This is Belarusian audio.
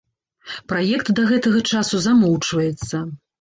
Праект да гэтага часу замоўчваецца.